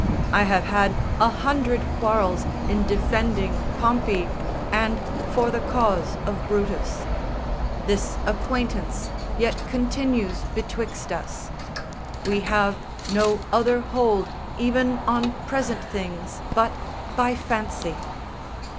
I have had a hundred quarrels in defending Pompey and for the cause of Brutus; this acquaintance yet continues betwixt us; we have no other hold even on present things but by fancy.